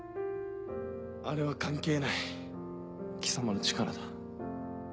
あれは関係ない貴様の力だ。